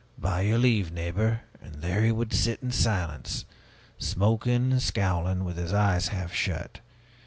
'By your leave, neighbor,' and there he would sit, in silence, smoking and scowling, with his eyes half shut.